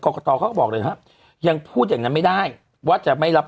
กตเขาก็บอกเลยครับยังพูดอย่างนั้นไม่ได้ว่าจะไม่รับ